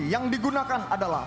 yang digunakan adalah